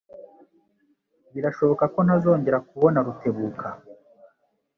Birashoboka ko ntazongera kubona Rutebuka.